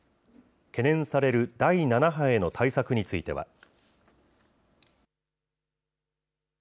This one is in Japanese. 懸念される第７波への対策については。